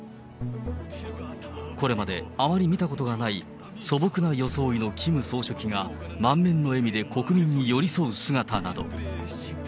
これまであまり見たことがない素朴な装いのキム総書記が満面の笑みで国民に寄り添う姿など。